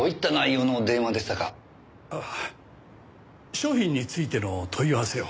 商品についての問い合わせを。